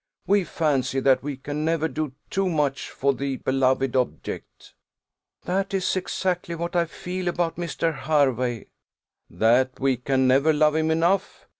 We fancy that we can never do too much for the beloved object." "That is exactly what I feel about Mr. Hervey." "That we can never love him enough."